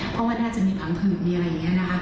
เพราะว่ามีผลังผืดเว้น